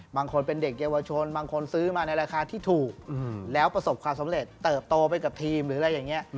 บางคนเป็นเด็กเยาวชนบางคนซื้อมาในราคาที่ถูกแล้วประสบความสำเร็จเติบโตไปกับทีมหรืออะไรอย่างนี้